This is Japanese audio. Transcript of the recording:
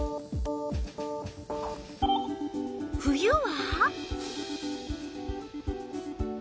冬は？